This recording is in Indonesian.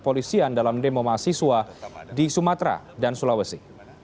kepolisian dalam demo mahasiswa di sumatera dan sulawesi